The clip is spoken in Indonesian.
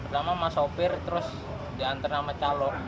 sama sama sopir terus diantar sama calo